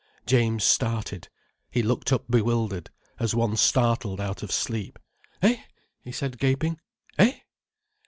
James started. He looked up bewildered, as one startled out of sleep. "Eh?" he said, gaping. "Eh?"